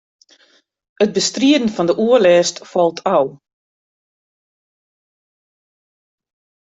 It bestriden fan de oerlêst falt ôf.